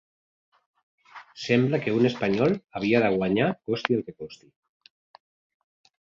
Sembla que un espanyol havia de guanyar costi el que costi.